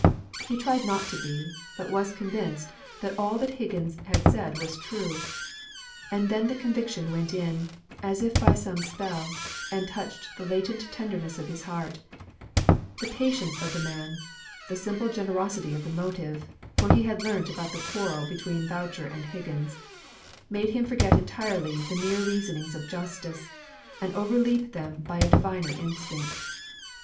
He tried not to be, but was convinced that all that Higgins had said was true. And then the conviction went in, as if by some spell, and touched the latent tenderness of his heart; the patience of the man, the simple generosity of the motive (for he had learnt about the quarrel between Boucher and Higgins), made him forget entirely the mere reasonings of justice, and overleap them by a diviner instinct.